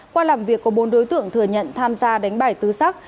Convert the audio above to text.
qua làm việc có bốn đối tượng thừa nhận tham gia đánh bài tứ sắc